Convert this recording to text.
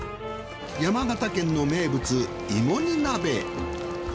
山形県の名物いも煮鍋。